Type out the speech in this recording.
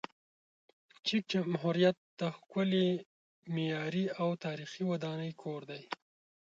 چک جمهوریت د ښکلې معماري او تاریخي ودانۍ کور دی.